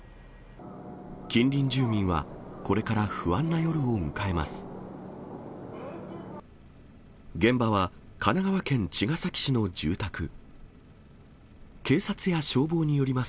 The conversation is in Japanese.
近隣住民は、これから不安な夜を迎えます。